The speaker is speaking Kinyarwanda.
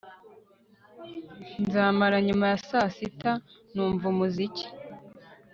Nzamara nyuma ya saa sita numva umuziki